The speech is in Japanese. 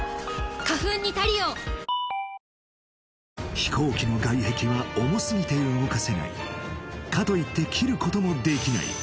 飛行機の外壁は重すぎて動かせないかといって切ることもできない